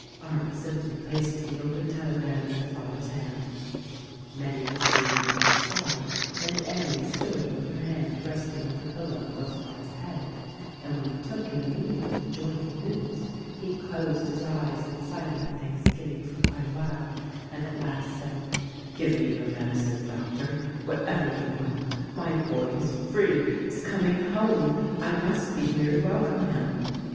Arndt simply placed the open telegram in the father's hand. Nettie was seated by his side and Annie stood with her hand resting on the pillow close by his head, and when he took in the meaning of the joyful news he closed his eyes in silent thanksgiving for quite a while, and at last said, "Give me your medicine, Doctor — whatever you will — my boy is free, is coming home — I must be here to welcome him."